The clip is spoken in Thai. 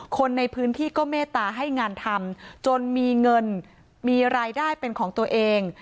คนในพื้นที่ก็เมตตาให้งานทำจนมีเงินมีรายได้เป็นของตัวเอง